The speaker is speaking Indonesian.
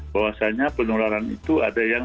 bahwasannya penularan itu ada yang